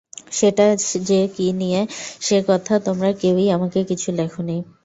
সেটা যে কি নিয়ে সে কথা তোমরা কেউই আমাকে কিছু লেখনি।